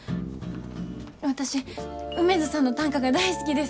私梅津さんの短歌が大好きです。